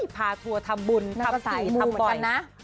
พาทัวร์ทำบุญทำใสทำปล่อย